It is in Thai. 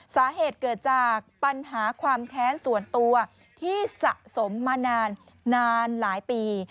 สาเหตุเกิดจากปัญหาความแค้นส่วนตัวที่สะสมมานานหลายปี